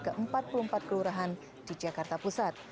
ke empat puluh empat kelurahan di jakarta pusat